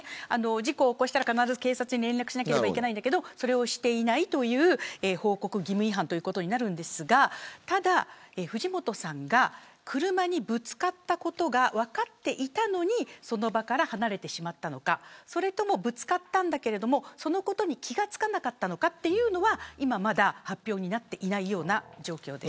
事故を起こしたら必ず警察に連絡しなければいけないんだけどそれをしていないという報告義務違反になりますが藤本さんが車にぶつかったことが分かっていたのにその場から離れてしまったのかそれとも、ぶつかったんだけどそのことに気が付かなかったのかというのは今はまだ発表されていない状況です。